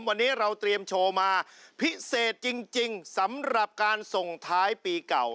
วันนี้เราเตรียมโชว์มาพิเศษจริงสำหรับการส่งท้ายปีเก่า